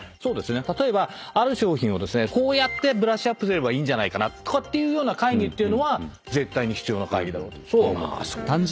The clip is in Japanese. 例えばある商品をですねこうやってブラッシュアップすればいいんじゃないかなっていうような会議は絶対に必要な会議だろうとそうは思います。